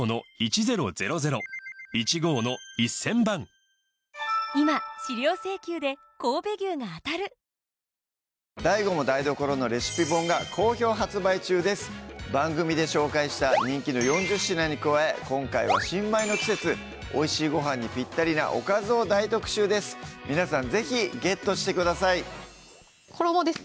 あとはしっかりともみ込んで冷蔵庫で１５分以上置いておきましょうＤＡＩＧＯも台所のレシピ本が好評発番組で紹介した人気の４０品に加え今回は新米の季節おいしいごはんにぴったりなおかずを大特集です皆さん是非ゲットしてください衣です